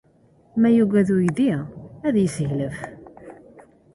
Ma yugad uydi, ad yesseglef.